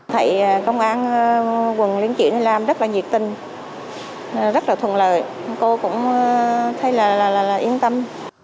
thấy công an quận liên chuyển làm rất là nhiệt tình rất là thuận lợi cô cũng thấy là yên tâm